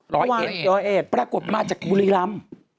ร้อยเอสปรากฏมาจากบุรีรำ